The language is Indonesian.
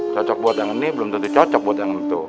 cocok buat yang ini belum tentu cocok buat yang itu